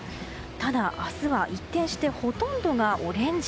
ただ、明日は一転してほとんどがオレンジ。